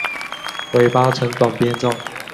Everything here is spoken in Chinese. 尾巴呈短鞭状。